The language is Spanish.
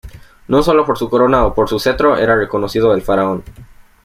No solo por su corona o por su cetro era reconocido el faraón.